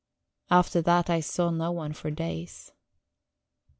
After that I saw no one for days.